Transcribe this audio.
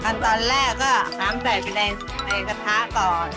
ตอนแรกก็น้ำใส่ไปในกระทะก่อน